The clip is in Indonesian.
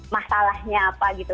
masalahnya apa gitu